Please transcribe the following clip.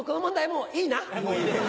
もういいです。